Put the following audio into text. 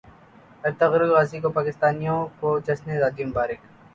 Ertugrul Ghazi کی پاکستانیوں کو جشن زادی کی مبارکباد